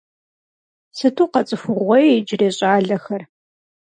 Сыту къэцӏыхугъуей иджырей щӏалэхэр…